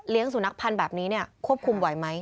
เลี้ยงสูงนักพันธ์แบบนี้ควบคุมไว้ไหม